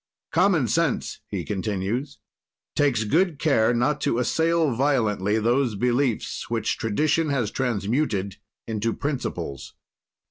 "Common sense," he continues, "takes good care not to assail violently those beliefs which tradition has transmuted into principles.